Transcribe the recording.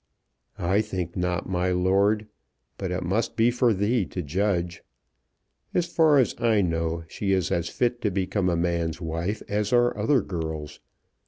"I think not, my lord. But it must be for thee to judge. As far as I know she is as fit to become a man's wife as are other girls.